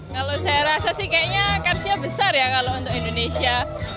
kalau saya rasa sih kayaknya karsnya besar ya kalau untuk indonesia